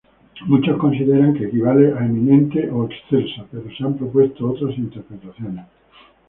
Muchos consideran que equivale a "eminente" o "excelsa", pero se han propuesto otras interpretaciones.